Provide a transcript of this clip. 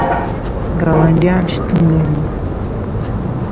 ګاونډیان شتون لري